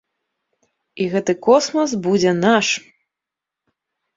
І гэты космас будзе наш!